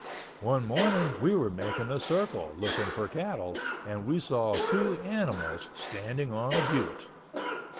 One morning we were making a circle, looking for cattle, and we saw two animals standing on a butte.